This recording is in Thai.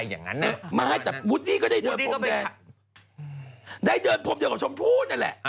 พรุ่งนี้ก็ได้เดินพรมแดงได้เดินพรุ่งพรุ่งเดินกว่าชมพูดนันแหละ